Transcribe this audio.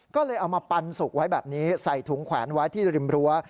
ก็เลยเอามาปันสุกไว้แบบนี้ใส่ถุงแขวนไว้ที่ริมรั้ว